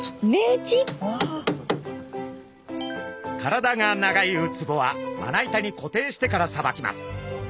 体が長いウツボはまな板に固定してからさばきます。